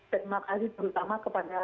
terima kasih terutama kepada